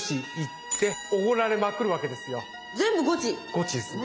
ゴチですね。